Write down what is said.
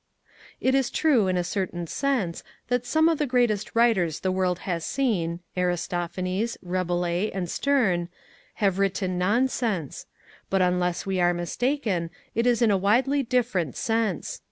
A Defence of Nonsense It is true in a certain sense that some of the greatest writers the world has seen — Aristophanes, Rabelais and Sterne — have written nonsense ; but unless we are mis taken, it is in a widely different sense.